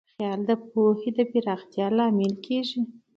خیال د پوهې د پراختیا لامل کېږي.